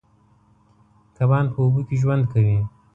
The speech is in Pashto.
کبان په اوبو کې ژوند کوي.